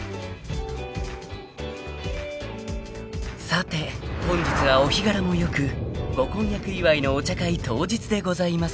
［さて本日はお日柄も良くご婚約祝いのお茶会当日でございます］